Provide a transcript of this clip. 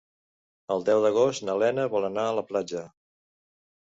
El deu d'agost na Lena vol anar a la platja.